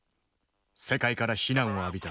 世界から非難を浴びた。